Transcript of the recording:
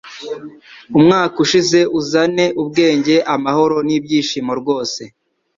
Umwaka ushize uzane ubwenge amahoro n'ibyishimo rwose